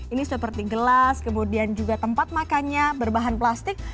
ini seperti gelas kemudian juga tempat makannya berbahan plastik